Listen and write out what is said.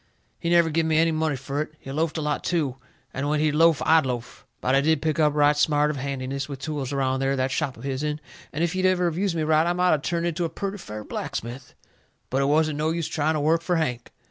He never give me any money fur it. He loafed a lot too, and when he'd loaf I'd loaf. But I did pick up right smart of handiness with tools around that there shop of his'n, and if he'd ever of used me right I might of turned into a purty fair blacksmith. But it wasn't no use trying to work fur Hank.